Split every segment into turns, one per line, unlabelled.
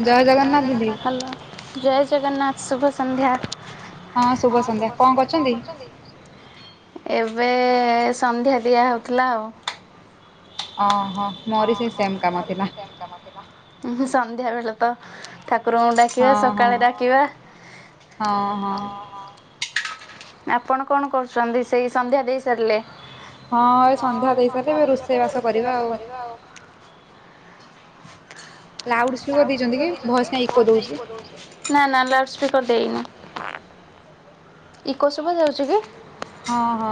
ଜୟ ଜଗନ୍ନାଥ ଦିଦି
ହାଲୋ ଜୟ ଜଗନ୍ନାଥ ଶୁଭ ସଂନ୍ଧ୍ୟା।
ହଁ ଶୁଭ ସନ୍ଧ୍ୟା କଁ କରୁଚନ୍ତି?
ଏବେ ସନ୍ଧ୍ୟା ଦିଆ ହଉଥିଲା ଆଉ। ଅ
ଓହୋ
ହ
ମୋରି ସେଇ ସେମ୍ କାମ
ମୋର
ଥିଲା
ବି ସେମ କାମ ଥିଲା ଇ ହି ସନ୍ଧ୍ୟାବେଳେ। ତ ଠାକୁରଙ୍କୁ
ହଁ
ଡାକିବା
ହଁ
ସକାଳେ ଡାକିବା ହଁ ହଁ। ଆପଣ କଣ କରୁଛନ୍ତି ସେଇ ସନ୍ଧ୍ୟା ଦେଇ ସାରିଲେ?
ହଁ ଏ ସନ୍ଧ୍ୟା ଦେଇସାରିଲି ଏବେ ରୋଷେଇ ବାସ କରିବା ଆଉ। ଲାଉଡ ସ୍ପିକର ଦେଇଚ
ନା ନା ଲାଉଡ ସ୍ପିକର ଦେଇନି। ଇକୋ ସୁଭା ଯାଉଛି କି?
ହଁ ହଁ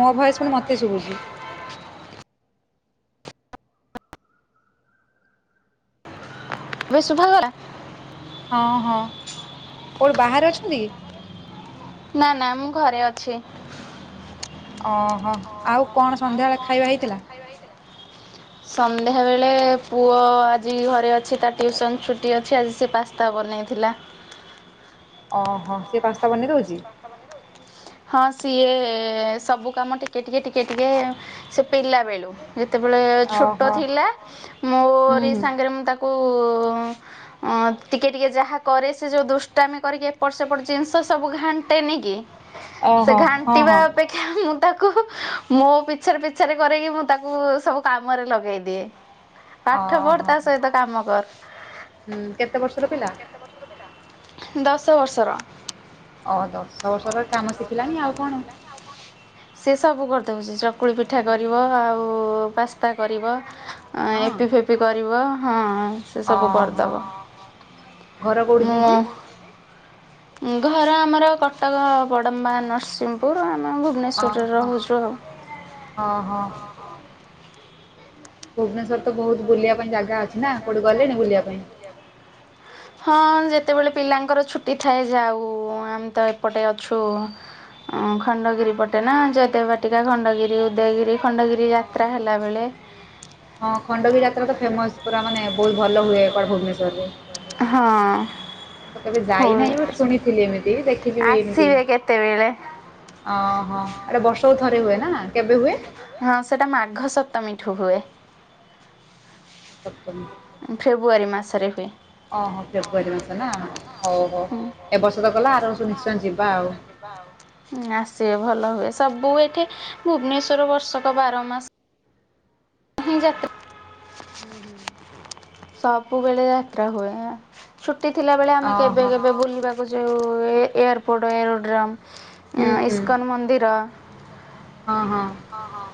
ମୋ ଭଏସ୍ ପୁଣି ମତେ ଶୁଭୁଛି।
ଏବେ ସୁୁଭାଗଲା?
ହଁ ହଁ କୋଉଠି ବାହାରେ ଅଛନ୍ତି କି?
ନା ନା ମୁଁ ଘରେ ଅଛି। ଓହୋ
ଓହୋ
ଆଉ କଣ ସନ୍ଧ୍ୟା
ସନ୍ଧ୍ୟାବେଳେ ଖାଇବା
ବେଳେ
ହେଇଥିଲା?
ଖାଇବା ହେଇଥିଲା? ସନ୍ ନ୍ଧ୍ୟାବେଳେ ପୁଅ ଆଜି ଘରେ ଅଛି ତା ଟିଉସନ୍ ଛୁଟି ଅଛି ଆଜି ସେ ପାସ୍ତା ବନେଇଥିଲା।
ଅହୋ ସେ ପାସ୍ତା ବନେଇକି ଦଉଛି?
[unintelligible] ହଁ ସିଏ ସବୁ କାମ ଟିକେ ଟିକେ ଟିକେ ଟିକେ ସେ ପିଲା ବେଳୁ। ଯେତେବେଳେ ଛୋଟ
ଓହୋ
ଥିଲା
ହୁଁ
ମୋରି
ହୁଁ
ସାଙ୍ଗରେ ମୁଁ ତାକୁ ଅଁ ଟିକେ ଟିକେ ଯାହା କରେ ସେ ଯୋଉ ଦୁଷ୍ଟାମି କରିକି ଏପଟ ସେପଟ ଜିନିଷ ସବୁ ଘା ଟେନି କି ସେ
ଓହୋ ହଁ
ଘାଣ୍ଟିବା
ହଁ
ଅପେକ୍ଷା ମୁ ତାକୁ ମୋ ପିଛାରେ ପିଛାରେ କରେଇକି ମୁଁ ତାକୁ ସବୁ କାମରେ ଲଗେଇ ଦିଏ। ପାଠ ପଢ
ଓହୋ
ତା ସହିତ କାମ
ହୁଁ କେତେ ବର୍ଷର ପିଲା?
କର। ଦଶ ବର୍ଷର।
ଓ ଦଶ ବର୍ଷର କାମ ଶିଖିଲାଣି ଆଉ କଣ?
[inaudible] ସେ ସବୁ କରିଦଉଛି ଚକୁଳି ପିଠା
ହୁଁ ହୁଁ।
କରିବ ଆଉ ପାସ୍ତା କରିବ।
ହଁ
ଏପି ଫିପି କରିବ ହଁ। ସେ ସବୁ
ଓହୋ
କରିଦବ।
ଘର କୋଉଠି ଦିଦି?
ମୁଁ ଘର ଆମର କଟକ ବଡମ୍ବା ନରସିଂହପୁର। ଆମ ଆମେ ଭୁବନେଶ୍ଵରରେ
ଓହୋ
ରହୁଛୁ ଆଉ।
ଓହୋ। ଭୁବନେଶ୍ଵର ତ ବହୁତ ବୁଲିବା ପାଇଁ ଯାଗା
[inaudible] ହଁ। ଯେତେବେଳେ ପିଲାଙ୍କର ଛୁଟି ଥାଏ ଯାଉ। ଆମେ ତ ଏପଟେ ଅଛୁ ହ ଖଣ୍ଡଗିରି ପଟେ ନା ଜୟଦେବ୍ ବାଟିକା ଖଣ୍ଡଗିରି ଉଦୟଗିରି ଖଣ୍ଡଗିରି
ହଁ
ଯାତ୍ରା
ହଁ।
ହେଲାବେଳେ।
ଫେମସ ପୁରା ମାନେ ବହୁତ ଭଲ ହୁଏ କୁଆଡେ ଭୁବନେଶ୍ଵରରେ।
ହଁ ହୁଏ
ଯାଇନାହିଁ ବଟ୍ ଶୁଣିଥିଲି ଏମିତି ଦେଖିଚି
[inaudible]
ବି ଏମିତି।
ଆସିବେ କେତେବେଳେ।
ଓହୋ ଏଟା ବର୍ଷକୁ ଥରେ ହୁଏ ନା କେବେ ହୁଏ?
[inaudible] ହଁ ସେଟା ମାଘ ସପ୍ତମୀ ଠୁ ହୁଏ।
ସତମୀ [inaudible]
ଫେବୃଆରୀ ମାସରେ ହୁଏ।
ଓହୋ
ଓଃ
ଫେବୃଆରୀ ମାସ ନା
ଫେବୃୟାରୀ ମାସରେ ନୁହଁ ହଉ ହଉ
ଏ ବର୍ଷ
ହୁମ୍ ଏ
ଆର
ବର୍ଷ ତ ଗଲା
ନିଶ୍ଚୟ
ଆର
ଯିବା ଆଉ।
ବର୍ଷ [inaudible] ଯିବା ଆଉ। ଆସିବେ ଭଲ ହୁଏ। ସବୁ ଏଠେ ଭୁବନେଶ୍ୱର ବର୍ଷକ ବାର ମାସ ହିଁ
ହ
ଯାତ୍ରା
ହୋ ହୁଁ ହୁଁ।
ସବୁବେଳେ ଯାତ୍ରା ହୁଏ ଛୁଟି ଥିଲା ବେଳେ ଆମେ କେବେ
ଓହୋ
କେବେ ବୁଲିବା ଯଉ ଏ ଏୟାରପୋର୍ଟ ଏରୋଡ୍ରମ୍
ହୁଁ ହୁଁ
ଇସ୍କନ୍ ମନ୍ଦିର। ହଁ ହଁ।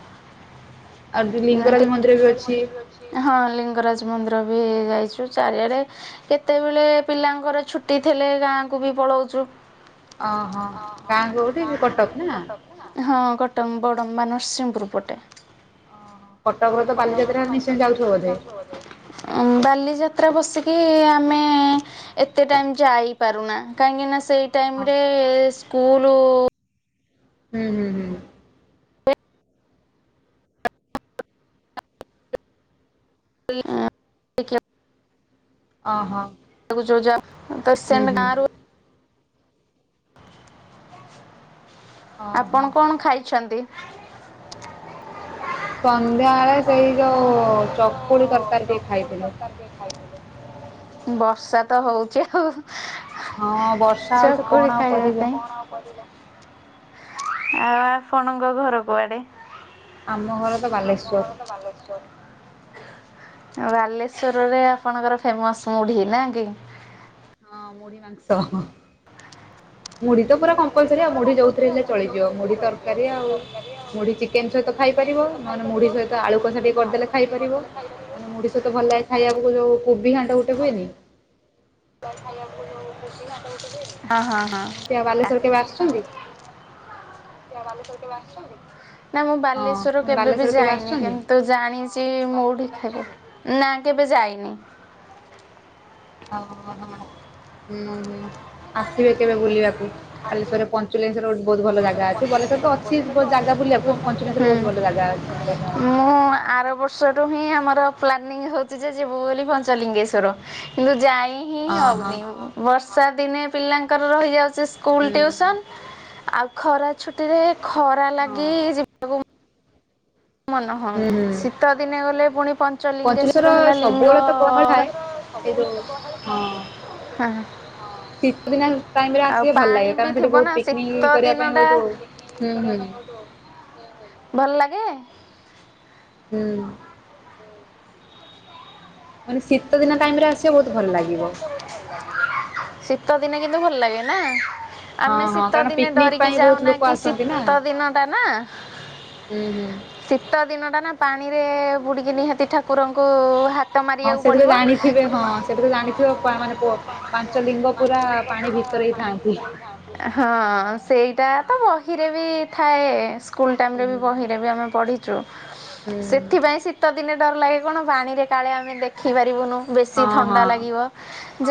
ଆଉ ଯୋଉ
[inaudible]
ଲିଙ୍ଗରାଜ ମନ୍ଦିର ବି ଅଛି
ହଁ ଅଁ। ଲିଙ୍ଗରାଜ ମନ୍ଦିର ବି ଯାଇଛୁ ଚାରିଆଡେ କେତେବେଳେ ପିଲାଙ୍କର ଛୁଟି ଥିଲେ ଗାଁ ଗାଁ କୁ ବି ପଳଉଚୁ
ଓହୋ
ଅହ
କୋଉଠି
ଗାଁ
କଟକ
କୋଉଠିକି
ନା?
କଟକ କିନା। କଟଙ୍ଗ ବଡ଼ମ୍ବା ବା ନରସିଂପୁରପଟେ।
ଓହୋ କଟକରେ ତ
[inaudible]
ବାଲିଯାତ୍ରା ନିଶ୍ଚୟ ଯାଉଥିବ ବୋଧେ?
ବାଲିଯାତ୍ରା ବସିକ କି ଆମେ ଏତେ ଟାଇମ ଯାଇପାରୁନା କାହିଁକି ନା ସେଇ
ହଁ
ଟାଇମ୍ରରେ ସ୍କୁଲ
ହୁଁ ହୁଁ ହୁଁ।
[inaudible]
ଅହୋ।
ବୁଝଉ ଯା ତ ସେମ ଗାଁରୁ
ଓହୋ।
ଆପଣ କଣ ଖାଇଛନ୍ତି?
ସନ୍ଧ୍ୟାଏଳେ ସେଇ ଯୋଉ ଚକୁଡି ତରକାର ଟିକେ ଖାଇଥିଲୁ।
ବର୍ଷା ତ ହଉଚି ଆଉ।
ହଁ ବର୍ଷା ହଉଛି କଣ
ଚକୁଳି
ଆଉ
ଖାଇବା
କରିବ
ପାଇଁ। ଆଉ ଆପଣଙ୍କ ଘର କୁଆଡେ?
ଆମ ଘର ତ ବାଲେଶ୍ଵର
ବାଲେସ୍ୱରରେ ଆପଣଙ୍କର ଫେମସ ମୁଢି ନା କି
ହଁ ମୁଡ଼ି ମାଂସ ମୁଡ଼ି ତ ପୁରା କମ୍ପଲସରୀ ଆଉ ମୁଢି ଯଉଥିରେ ହେଲେ ଚଳିଯିବ ମୁଢି ତରକାରୀ ଆଉ ମୁଢି ଚିକେନ ସହିତ ଖାଇପାରିବ। ନହେନେ ମୁଢି ସହିତ ଆଳୁ କଷା ଟିକେ କରିଦେଲେ ଖାଇ ପାରିବ ନହେଲେ ମୁଢି ସହିତ ଭଲ ଲାଗେ ଖାଇବାକୁ ଯୋଉ କୋବି ଘାଣ୍ଟ ଗୋଟେ ହୁଏନି।
[inaudible] ହଁ ହଁ ହଁ
ସେମିତି ଆଉ ବାଲେଶ୍ୱର କେବେ ଆସିଛନ୍ତି?
[unintelligible] ଆସ ନା ମୁଁ
ହଁ
ବାଲେଶ୍ଵର
ପୁଣି
କେବେ ବି
ବାଲେଶ୍ୱର
ଯାଇନି
ଆସିଛନ୍ତି?
କିନ୍ତୁ ଜାଣିଛି ମୁଢି ଖା ନା କେବେ ଯାଇନି।
ହ ହଁ ହୁଁ ହୁଁ ଆସିବେ କେବେ ବୁଲିବାକୁ ବାଲେସ୍ୱର ପଞ୍ଚ ଲେ ସ୍ୱର
ହୁ
ବୁଲିବାକୁ କିନ୍ତୁ ପଞ୍ଚୁଲିଙ୍ଗେଶ୍ୱର ବହୁତ ଭଲ ଜାଗା ଅଛି ଗୋଟେ।
ମୁଁ ଆର ବର୍ଷଠୁ ହିଁ ଆମର ପ୍ଲାନିଂ ହଉଛି ଯେ ଯିବୁ ବୋଲି ପଞ୍ଚଲିଙ୍ଗେଶ୍ଵର କିନ୍ତୁ ଯାଇ ଣି
ଅ
ହିଁ
ହଁ
ହଉନି ବର୍ଷା ଦିନେ ପିଲାଙ୍କର ରହିଯାଉଛି। ସେ ସ୍ଲଲ
ହୁଁ
ଟ୍ୟୁସନ ଆଉ ଖରା ଛୁଟି ଖରା
ହଁ
ଲାଗି ଯିବାକୁ ମନ ହଉନି ଶୀତ ଦିନେ ଗଲେ। ପୁଣି ପଞ୍ଚଲିଙ୍ଗେଶ୍ଵର
ପଞ୍ଚଲିିଶର
ହେଲା ଲିଙ୍ଗ
ସବୁବେଳେ ତ ପହଳ ଥାଏ ଏଇ ଯୋଉ ହଁ
ହ
ଶୀତ ଦିନ ଟାଇମ ରେ
ଆଉ
ଆସିବେ ଭଲ
ପାଣି
ଲାଗେ କାରଣ
ବି
ସେଠି
ଥିବ
ବହୁତ
ନା
ପିକନିକ
ଶୀତ
କରିବା
ଦିନ
ପାଇଁ
ଟା
ବହୁତ
ଫିଲ୍
ହୁଁ
କରିବା
ହୁଁ
ପାଇଁ ବହୁତ ଭଲ ଲାଗେ।
ହୁଁ ମାନେ ଶୀତ ଦିନ ଟାଇମ ରେ ଆସିବ ବହୁତ
ଶୀତ
ଭଲ
ଦିନ
ଲାଗିବ।
ଟାଇମିରେ ଆସିବ ବହୁତ ଭଲ ଲାଗିବ ଶୀତ ଦିନ କିନ୍ତୁ ଭଲ ଲାଗେ ନା ଆମେ
ହଁ ହଁ
ଶୀତ
କାରଣ
ଦିନେ
ପିକନିକ
ଡରିକି
ପାଇଁ ବହୁତ
ଯାଉନା
ଲୋକ
କି
ଆସନ୍ତି ନା
ଶୀତ ଦିନ ଟା ନା
ହୁଁ ହୁଁ
ଶୀତ ଦିନ ଟା ନା ପା ପାଣିରେ ବୁଡ଼ିକି ନିହାତି ଠାକୁରଙ୍କୁ ହାତ
ହଁ
ମାରିବାକୁ
ସେଠି ତ
ପଡିବ।
ଜାଣିଥିବେ ହଁ ସେଠି ତ ଜାଣିଥିବ ମାନେ ପୁଅ ପାଞ୍ଚ ଲିଙ୍ଗ ପୁରା ପାଣି ଭିତରେ ହେଇଥାନ୍ତି।
ହଁ ସେଇଟା ତ ବହିରେ ବି ଥାଏ ସ୍କୁଲ
ହୁଁ
ଟାଇମୀରେ ବହିରେ ବି ଆମେ ପଢିଛୁ
ହୁଁ
ସେଥିପାଇ ଶୀତ ଦିନ ଡର ଲାଗେ କଣ ପାଣିରେ କାଳେ ଆମେ ଦେଖିପାରିବୁନୁ। ବେଶୀ
ହଁ
ଥଣ୍ଡା
ହଁ
ଲାଗିବ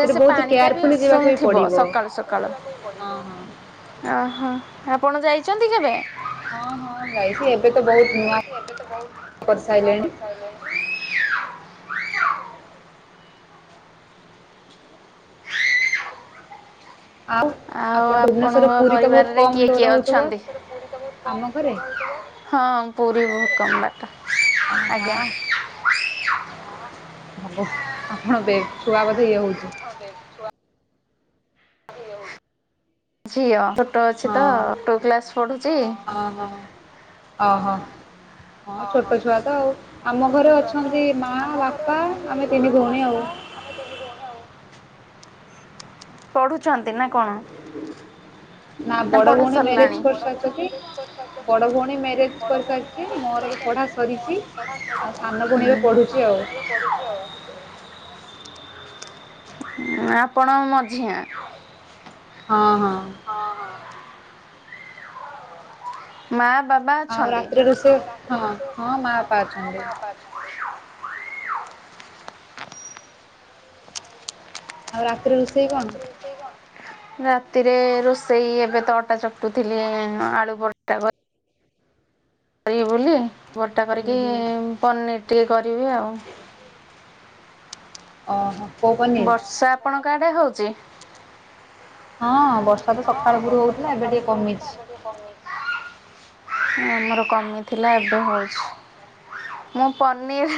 ଯେ ସେ
ବହୁତ
ପାଣିଟା ବି
କେୟାରଫୁଲି ଯିବାକୁ
ଉଷୁମ
ବି
ଥିବ
ପଡିବ
ସକାଳୁ ସକାଳୁ
ହଁ ହଁ
ଓହୋ ଆପଣ ଯାଇଛନ୍ତି କେବେ?
ହଁ ହଁ ଯାଇଛି ଏବେ ତ ବହୁତ ନୂଆ
ଏତ ବହୁତ ନୂଆ
କରିସାରିଲେଣି
କରିଥାଲେ କି
ଆଉ
ଆଉ
ଆପଣ ଭୁବନେଶର
ଆପଣଙ୍କ
ପୁରୀ ତ ବହୁତ
ପରିବାରରେ
କମ
କିଏ କିଏ
ଡର ହଉଥିବ
ଅଛନ୍ତି
ଆମ ଘରେ
ହଁ ପୁରୀ ବହୁତ କମ ବାଟ ଆଜ୍ଞା
ଓହୋ। ଭଗବାନ ଆପଣ ବେ ଛୁଆ ବୋଧେ ଇଏ ହଉଛି
ଝିଅ ଟ
ହଁ
ଅଛୁତ ଟୁଉ କ୍ଲାସ ପଢୁଛି।
ହଁ ହଁ। ଓହୋ ହଁ ଛୋଟ ଛୁଆ ତ ଆଉ ଆମ ଘରେ ଅଛନ୍ତି ମା ବାପା ଆମେ ତିନି ଭଉଣୀ ଆଉ [inaudible]
ପଢୁଛନ୍ତି ନା କଣ?
[inaudible] ନା ବଡ
ପଢ଼ା
ଭଉଣୀ ମ୍ୟାରେଜ
ସରିଲାଣି
କରିସାରିଛନ୍ତି ବଡ ଭଉଣୀ ମ୍ୟାରେଜ କରିସାରିଛି ମୋର ବି ପଢା ସରିଛି ଆଉ ସାନ ଭୁଣୀ
ହୁଁ,
ଏବେ ପଢୁଛି ଆଉ
ହୁ ଆପଣ ମଝିଆ
ହଁ, ହଁ।
ମା ବାବା
ଆଉ
ଅଛନ୍ତି
ରାତିରେ ରୋଷେଇ ହଁ ହଁ ମା ବାପା ଅଛନ୍ତି। ଆଉ ରାତିରେ ରୋଷେଇ କଣ?
ରାତିରେ ରୋଷେଇ ଏବେ ତ ଅଟା ଚକଟୁଥିଲି ଆଳୁ ପରଟା କ କରିବି ବୋଲି ପରଟା
ହୁଁ
କରିକି
ହୁଁ
ପନିର୍ ଟିକେ କରିବି ଆଉ।
ଓହୋ। କୋଉ ପନିର୍?
ବର୍ଷା ଆପଣଙ୍କ ଆଡେ ହଉଚି?
ହଁ ବର୍ଷା ତ ସକାଳ ପୁରୁ ହଉଥିଲା ଏବେ ଟିକେ କମିଛି।
ଆମର କମିଥିଲା ଏବେ ହଉଛି। ମୁଁ ପନିର୍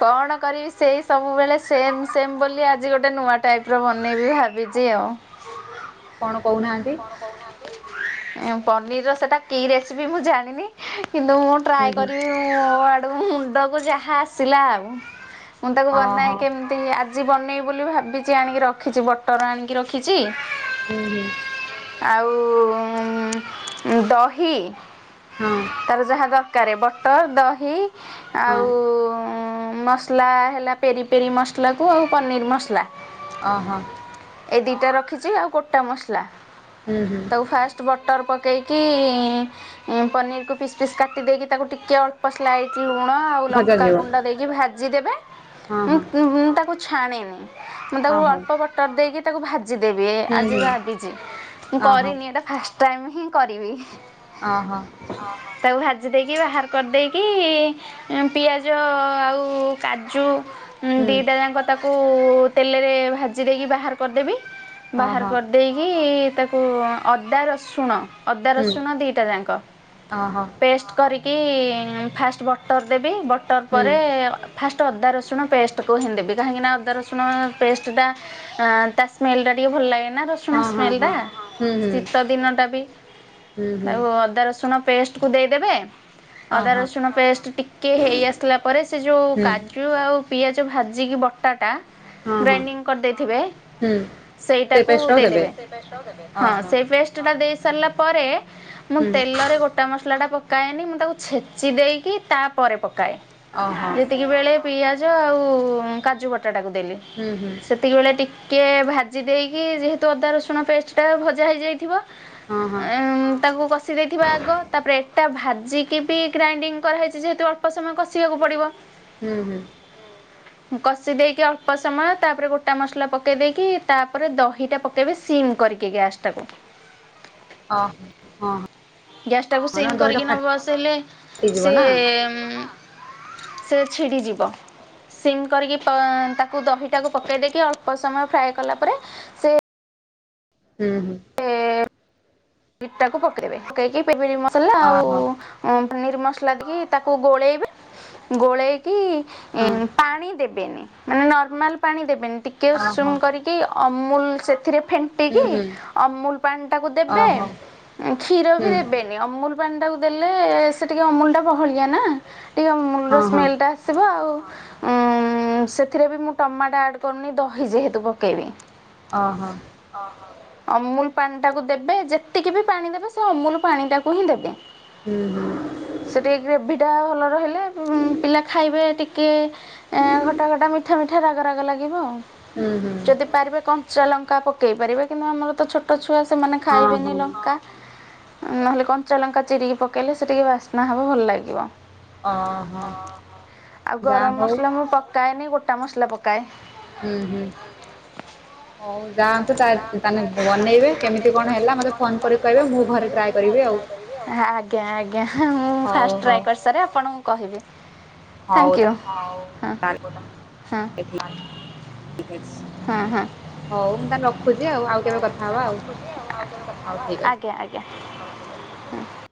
କଣ କରିବି ସେଇ ସବୁବେଳେ ସେମ୍ ସେମ୍ ବୋଲି ଆଜି ଗୋଟ ଟେ ନୂଆ ଟାଇପ୍ ର ବନେଇବି ଭାବିଚି ଆଉ।
କଣ କହୁନାହାନ୍ତି?
ଏଁ, ପନିର୍ ର ସେଟା କି ରେସିପି ମୁଁ ଜାଣିନି। କିନ୍ତୁ ମୁଁ
ହୁଁ
ଟ୍ରାଏ
ହୁଁ
କରିବି ମୋ ଆଡ଼ୁ ମୁଣ୍ଡକୁ ଯାହା ଆସିଲା ଆଉ। ମୁଁ ତାକୁ ବନାଏ
ଓହୋ
କେମିତି ଆଜି ବନେଇବି ବୋଲି ଭାବିଚି। ଆଣିକି ରଖିଚି ବଟର୍ ଆଣିକି ରଖିଚି।
ହୁଁ ହୁଁ
ଆଉ ଉଁ, ଦହି
ହଁ
ତାର ଯାହା ଦ କାରେ ବଟର୍ ଦହି
ହଁ।
ଆଉ ଉଁ, ମସଲା ହେଲା ପେରି ପେରି ମସଲା କୁ ଆଉ ପନିର୍ ମସଲା
ଓହୋ।
ଏ ଦିଟା ରଖିଚି ଆଉ ଗୋଟା ମସଲା
ହୁଁ ହୁଁ
ତାକୁ ଫାଷ୍ଟ ବଟର୍ ପକ କେଇକି ଏଁ, ପନିର୍ କୁ ପିସ୍ ପିସ୍ କାଟି ଦେଇକି ତାକୁ ଟିକେ ଅଳ୍ପ ସ୍ଲାଇ ଲୁଣ ଆଉ
ଭଜା ଯିବ
ଲଙ୍କାଗୁଣ୍ଡ ଦେଇକି ଭାଜିଦେବେ।
ହଁ
ମୁଁ,
ହଁ
ମୁଁ, ମୁଁ ତାକୁ ଛାଣିନି। ମୁଁ ତାକୁ
ଓହୋ
ଅଳ୍ପ ବଟର୍ ଦେଇକି ତାକୁ ଭାଜିଦେବି
ହୁଁ
ଆଜି
ହୁଁ।
ଭାବିଚି।
ଓହୋ
କରିନି ଏଟା ଫାଷ୍ଟ ଟାଇମ୍ ହିଁ କରିବି।
ଓ ହୋ।
ତାକୁ ଭାଜି ଦେଇକି ବାହାର କରିଦେଇକି। ଏଁ, ପିଆଜ ଆଉ କାଜୁ ଉଁ,
ହୁଁ
ଦିଟା ଯାଙ୍କ ତାକୁ ତେଲରେ ଭାଜି ଦେଇକି ବାହାର କରିଦେବି। ବାହାର
ଓହୋ
କରିଦେଇକି ତାକୁ ଅଦା ରସୁଣ ଅଦା
ହୁଁ
ରସୁଣ ଦିଟା ଯାଙ୍କ
ଓହୋ
ପେଷ୍ଟ କରି କି ଫାଷ୍ଟ ବଟର୍ ଦେବି। ବଟର୍
ହୁଁ।
ପରେ ଫାଷ୍ଟ ଟ ଅଦା ରସୁଣ ପେଷ୍ଟ କୁ ହିଁ ଦେବି। କାହିଁକି ଅଦା ରସୁଣ ପେଷ୍ଟ ଟା ଆଉ, ତା ସ୍ମେଲ୍ ଟା ଟିକ ଭଲ ଲାଗେ। ନା ରସୁଣ
ହଁ ହଁ
ସ୍ମେଲ୍ ଟା,
ହଁ ହୁଁ ହୁଁ ହୁଁ
ଶୀତଦିନଟା ବି
ହୁଁ
ଆଉ ଅଦା ରସ ସୁଣ ପେଷ୍ଟ କୁ ଦେଇଦେବେ। ଅଦା
ଓହୋ
ରସୁଣ ପେଷ୍ଟ ଟିକେ ହେଇ ଆସିଲା ପରେ, ସେ ଯୋଉ
ହୁଁ
କାଜୁ ଆଉ ପିଆଜ ଯୋଉ ଭାଜିକି ବଟାଟା
ହଁ ହଁ।
ଗ୍ରାଇଡିଙ୍ଗ କରିଦେଇଥିବେ,
ହୁଁ ସେ
ସେଇଟାକୁ
ପେଷ୍ଟଟାକୁ ଦେବେ
ଦେଇଦେବେ। ହଁ
ଓହୋ
ସେ ପେଷ୍ଟଟା ଦେଇ ସାରିଲା ପରେ ମୁଁ
ହୁଁ
ତେଲରେ ଗୋଟା ମସଲାଟା ପକ ପକାଏନି ମୁଁ ତାକୁ ଛେଚି ଦେଇକି ତା ପରେ ପକାଏ।
ଓହୋ
ଯେତିକିବେଳେ ପିଆ ଜ ଆଉ କାଜୁ ବଟାଟାକୁ ଦେଲି
ହୁଁ ହୁଁ
ସେତିକ ବେଳେ ଟି କିଏ ଭାଜି ଦେଇକି ଯେହେତୁ ଅଦା ରସୁଣ ପେଷ୍ଟଟା ଭଜା ହେଇଯାଇଥିବ।
ହଁ ହଁ
ଏ ଉଁ, ତାକୁ କଷି ଦେଇଥିବ ଆଗ। ତାପରେ ଏଟା ଭା ଭାଜିକିି ବି ଗ୍ରାଇଣ୍ଡିଙ୍ଗ କରାହେଇଚି ଯେହେତୁ ଅଳ୍ପ ସମୟ କଷିବାକୁ ପଡ଼ିବ।
ହୁଁ, ହୁଁ।
କଷି ଦେଇକି ଅଳ୍ପ ସମୟ ତାପରେ ଗୋଟା ମସଲା ପକେଇ ଦେଇକି ତାପରେ ଦହିଟା ପକେଇବେ ସିମ୍ କରିକି ଗ୍ୟାସ୍ ଟାକୁ।
ଓ ହୋ ହଁ।
ଗ୍ୟାସ୍ ଟାକୁ
ହଁ
ସିମ୍
ନା ଦହିଟା
କରିକି ନ ବସେଇଲେ,
ଫାଟିଯିବ
ସେ
ନା
ଉମ୍, ସେ ଛିଡିଯିବ। ସିଂ କରିକି ପ ତାକୁ ଦହିଟାକୁ ପକେଇ ଦେଇକି ଅଳ୍ପ ସମୟ ଫ୍ରାଏ କଲା ପରେ ସେ
ଉଁ ହୁଁ।
ଇଟାକୁ ପକେଇବେ ପକେଇକି ପିପିଡ଼ି ମସଲା ଆଉ
ଓହୋ
ଉଁ ଅନିର୍ ମସଲା ଢି ତାକୁ ଗୋଳେଇବେ ଗୋଳେଇକି
ହଁ
ଇଁ ପାଣି ଦେ ବେନି ମାନେ ନର୍ମାଲ୍ ପାଣି ଦେବେନି, ଟିକେ ଉଷୁମ
ଓହୋ
କରିକି ଅମୁଲ୍ ସେଥିରେ
ହୁଁ
ଫେଣ୍ଟିକି
ହୁଁ
ଅମୁଲ୍ ପାଣିଟାକୁ ଦେବେ
ଓହୋ
କ୍ଷୀର ବି
ହୁଁ
ଦେବେନି ଅମୁଲ୍ ପାଣିଟାକୁ ଦେଲେ ସେ ଟିକେ ଅମୁଲ୍ ଟା ବହଳିଆ ନାଁ ଟି ଅମୂଲ୍ ର
ହଁ ହଁ
ସ୍ମେଲ୍ ଟା ଆସିବ ଆଉ ଉଁ ସେଥିରେ ବି ମୁଁ ଟମାଟ ଆଡ଼ କରୁନି ଦହି ଯେହେତୁ ପକେଇବି।
ଓହୋ
ଅହ। ଅମୁଲ୍ ପାଣିଟାକୁ ଦେବେ ଯେତିକି ବି ପାଣି ଦେବେ ସେ ଅମୁଲ୍ ପାଣିଟାକୁ ହିଁ ଦେବେ।
ହୁଁ ହୁଁ।
ସେ ଟିଏ ଗ୍ରେଭିଟା ଭଲ ରହିଲେ ଉଁ ପିଲା ଖାଇବେ ଟିକେ ଉଁ ଘଟା ଘଟା ମିଠା ମିଠା ରାଗ ରାଗ ଲାଗିବ ଆଉ।
ହୁଁ ହୁଁ
ଯଦି ପାରିବେ କଞ୍ଚା ଲଙ୍କା ପକେଇ ପାରିବେ କିନ୍ତୁ ଆମର ତ ଛୋଟ ଛୁଆ ସେମାନେ
ହଁ
ଖାଇବେନି
ହଁ
ଲଙ୍କା। ନହେଲେ କଞ୍ଚା ଲଙ୍କା ଚିରିିକି ପକେଇଲେ ସେ ଟିକେ ବାସ୍ନା ହବ ଭଲ ଲାଗିବ।
ଓହୋ
ଆଉ
ଯାହା
ଗରମ
ହଉ
ମସଲା ମୁଁ ପକାଏନେଇ ଗୋଟା ମସଲା ପକାଏ।
ଉଁ ହୁଁ ହଉ ଯାଉନ୍ତୁ ତା ତାନେ ବ ନେଇବେ କେମିତି କଣ ହେଲା ମୋତେ ଫୋନ୍ କରି କହିବେ ମୁଁ ଘରେ ଟ୍ରାଏ କରିବି ଆଉ।
ଆଉ। ଆଜ୍ଞା ଆଜ୍ଞା ମୁଁ ଫାଷ୍
ହଉ
ଟ୍ରାଏ
ହଉ
କରିସାରେ ଆପଣଙ୍କୁ କହିବି,
ହଉ
ଥ୍ୟାଙ୍କ୍ ୟୁ। ହଁ
ତାହେଲେ
ହଁ।
ଠିକ୍ ଅଛି।
ହଁ ହଁ।
ହଉ ମୁଁ ତାନେ ରଖୁଚି ଆଉ ଆଉ କେବେ କ
ଆଜ୍ଞା ଆଜ୍ଞା ହୁଁ।